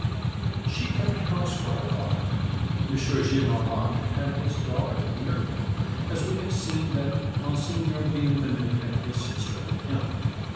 She kept house for her father. M. Gillenormand had his daughter near him, as we have seen that Monseigneur Bienvenu had his sister with him.